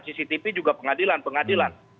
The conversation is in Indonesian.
cctv juga pengadilan pengadilan